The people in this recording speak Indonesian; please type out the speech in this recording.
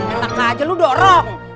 enak aja lu dorong